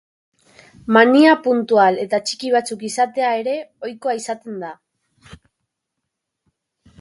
Mania puntual eta txiki batzuk izatea ere ohikoa izaten da.